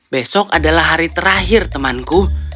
besok adalah hari terakhir temanku